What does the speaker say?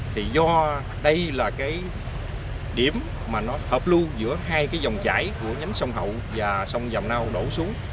thì do đây là cái điểm mà nó hợp lưu giữa hai cái dòng chảy của nhánh sông hậu và sông dòng nao đổ xuống